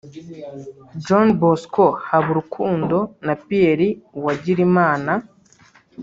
John Bosco Habarukundo na Pierre Uwagirimana